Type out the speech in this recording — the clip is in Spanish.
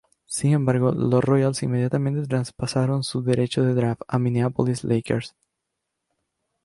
Sin embargo, los Royals inmediatamente traspasaron sus derechos de draft a Minneapolis Lakers.